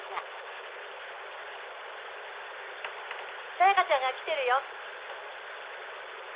彩香ちゃんが来てるよ。